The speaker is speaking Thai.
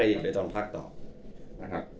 มาทิศไคร้ติดต่อภาคต่อ